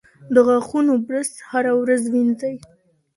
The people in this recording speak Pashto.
د غاښونو برس هره ورځ وینځئ.